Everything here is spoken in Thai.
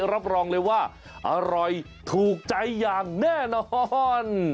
รับรองเลยว่าอร่อยถูกใจอย่างแน่นอน